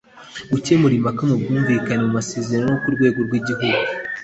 Gukemura impaka mu bwumvikane mu masezerano yo ku rwego rw’igihugu